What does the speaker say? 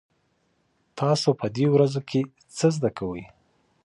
تاسو په دې ورځو کې څه زده کوئ؟